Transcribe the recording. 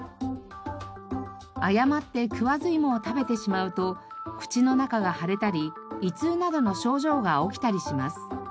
誤ってクワズイモを食べてしまうと口の中が腫れたり胃痛などの症状が起きたりします。